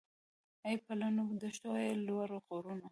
اې پلنو دښتو اې لوړو غرونو